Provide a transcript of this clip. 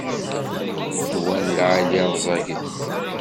Ddwa n lεali rẓaget.